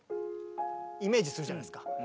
イメージするじゃないですか。